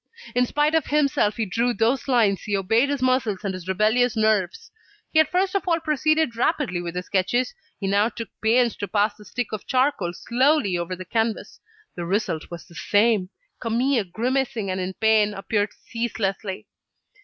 In spite of himself, he drew those lines, he obeyed his muscles and his rebellious nerves. He had first of all proceeded rapidly with his sketches; he now took pains to pass the stick of charcoal slowly over the canvas. The result was the same: Camille, grimacing and in pain, appeared ceaselessly.